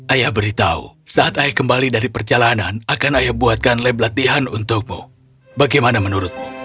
ayah beritahu saat ayah kembali dari perjalanan akan ayah buatkan lab latihan untukmu bagaimana menurutmu